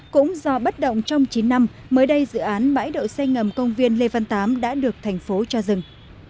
cũng do bất động trong chín năm mới đây dự án bãi đậu xây ngầm công viên lê văn tám đã được thành phố cho dừng